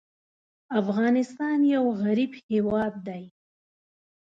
افغانستان یو غریب هېواد دی.